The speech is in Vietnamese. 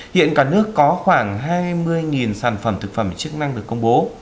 hiện cả nước có khoảng hai mươi sản phẩm thực phẩm chức năng được công bố